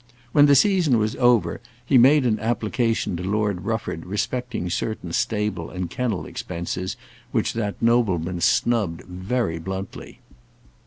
When the season was over he made an application to Lord Rufford respecting certain stable and kennel expenses, which that nobleman snubbed very bluntly.